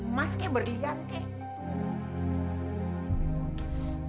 emas kek berlian kek